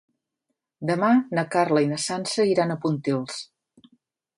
Demà na Carla i na Sança iran a Pontils.